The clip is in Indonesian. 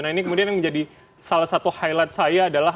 nah ini kemudian yang menjadi salah satu highlight saya adalah